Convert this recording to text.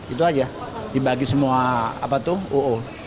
itu aja dibagi semua uo